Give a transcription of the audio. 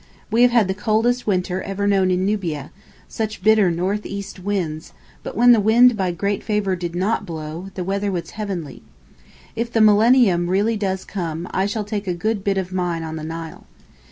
We have had the coldest winter ever known in Nubia, such bitter north east winds, but when the wind by great favour did not blow, the weather was heavenly. If the millennium really does come I shall take a good bit of mine on the Nile.